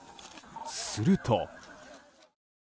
すると。